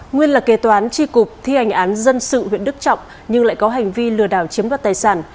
nguyên là kế toán tri cục thi hành án dân sự huyện đức trọng nhưng lại có hành vi lừa đảo chiếm đoạt tài sản